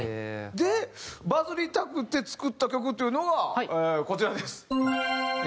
でバズりたくて作った曲というのがこちらです。